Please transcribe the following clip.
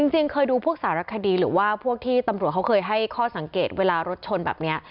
จริงเคยดูพวกสารคดีหรือว่าพวกที่ตำรวจเขาเคยให้ข้อสังเกตเวลารถชนแบบนี้